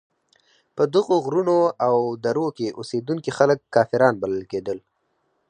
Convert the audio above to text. په دغو غرونو او درو کې اوسېدونکي خلک کافران بلل کېدل.